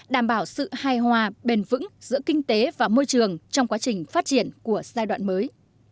đảm bảo sự hài hòa bền vững giữa kinh tế và môi trường trong quá trình phát triển của giai đoạn mới